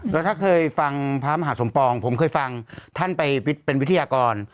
แล้วถ้าเคยฟังพระมหาสมปองผมเคยฟังท่านไปเป็นวิทยากร